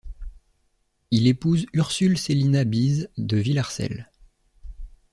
Il épouse Ursule Célina Bise, de Villarsel.